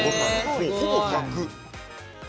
もう、ほぼ１００。